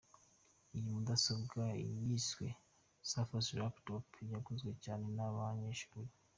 Iyi mudasobwa yiswe ‘Surface Laptop’ yaguzwe cyane n’abanyeshuri.